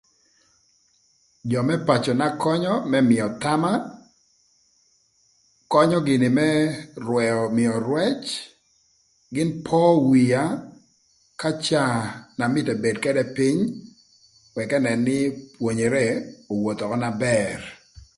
Jö më pacöna könyö më mïö thama, könyö gïnï më rwëö mïö rwëc gïn po wia ka caa na mïtö ebed këdë pïny wëk ënën nï pwonyere owotho ökö na bër.